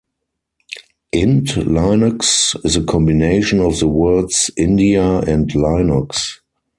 Indlinux is a combination of the words "India" and "Linux".